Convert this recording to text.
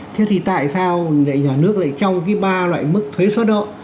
thế thì tại sao nhà nước lại trong cái ba loại mức thuế xuất đó